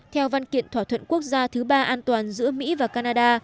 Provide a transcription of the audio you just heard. theo văn kiện thỏa thuận quốc gia thứ ba an toàn giữa mỹ và canada